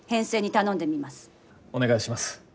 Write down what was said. お願いします。